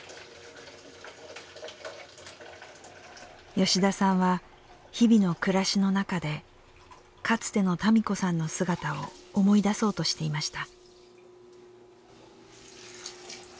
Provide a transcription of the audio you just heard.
吉田さんは日々の暮らしの中でかつての多美子さんの姿を思い出そうとしていました。